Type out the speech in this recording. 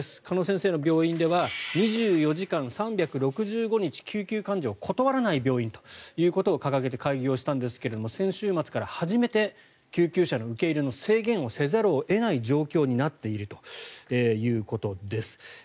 鹿野先生の病院では２４時間３６５日救急患者を断らない病院ということを掲げて開業したんですが先週末から初めて救急車の受け入れの制限をせざるを得ない状況になっているということです。